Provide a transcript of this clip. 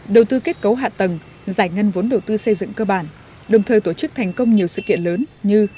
đầu tư kết cấu hạ tầng giải ngân vốn đầu tư xây dựng cơ bản đồng thời tổ chức thành công nhiều sự kiện lớn như